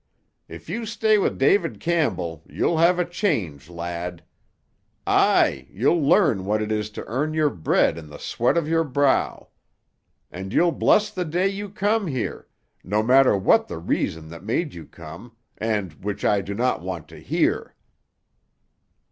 If you stay wi' David Campbell you'll have a change, lad. Aye, you'll learn what it is to earn your bread in the sweat of your brow. And you'll bless the day you come here—no matter what the reason that made you come, and which I do not want to hear."